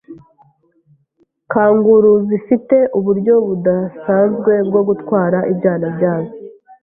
Kanguru zifite uburyo budasanzwe bwo gutwara ibyana byazo.